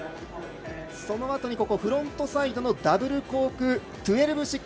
そのあとにフロントサイドのダブルコーク１２６０。